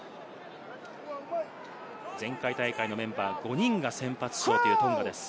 前回大会のメンバー５人が先発しているトンガです。